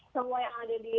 semua yang ada di